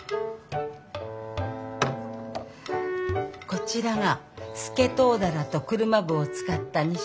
こちらがスケトウダラと車麩を使った煮しめ。